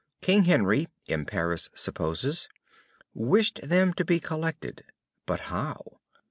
King Henry, M. Paris supposes, wished them to be collected, but how?